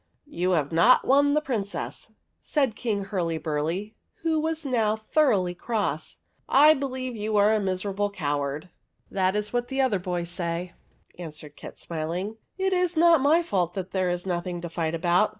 '''' You have not won the Princess," said King Hurlyburly, who was now thoroughly cross. '' I believe you are a miserable coward !"" That is what the other boys say," answered Kit, smiling. " It is not my fault that there is nothing to fight about.